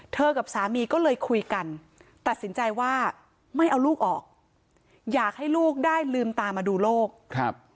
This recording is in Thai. กับสามีก็เลยคุยกันตัดสินใจว่าไม่เอาลูกออกอยากให้ลูกได้ลืมตามาดูโลกครับ